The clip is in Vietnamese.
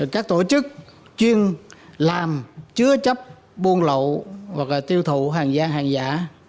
các tổ chức chuyên làm chứa chấp buôn lậu hoặc là tiêu thụ hàng giang hàng giả